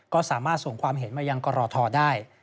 ก็สามารถส่งความเห็นมายังกรทได้